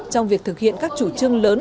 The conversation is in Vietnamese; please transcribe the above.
trong việc thực hiện các chủ trương lớn